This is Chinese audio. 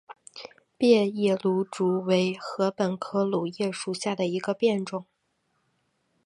变叶芦竹为禾本科芦竹属下的一个变种。